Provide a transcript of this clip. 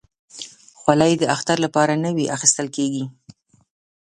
خولۍ د اختر لپاره نوي اخیستل کېږي.